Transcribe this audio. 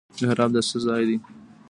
محراب د څه ځای دی؟